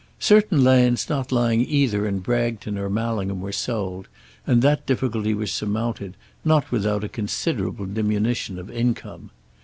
Certain lands not lying either in Bragton or Mallingham were sold, and that difficulty was surmounted, not without a considerable diminution of income.